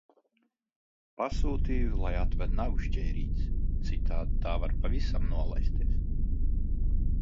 Pasūtīju lai atved nagu šķērītes, citādi tā var pavisam nolaisties.